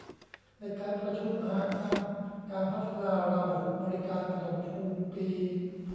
ในการประชุมมหกรรม การพัฒนาระบบบริการปฐมภูมิ ปี